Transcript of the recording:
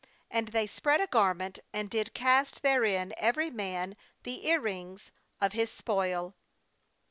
And they spread a garment, and did cast therein every man the ear rings of his spoil.